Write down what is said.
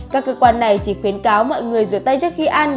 các cơ quan này chỉ khuyến cáo mọi người rửa tay trước khi ăn